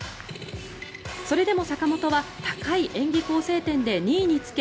それでも坂本は高い演技構成点で２位につけ